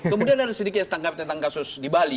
kemudian ada sedikit setangkap tentang kasus di bali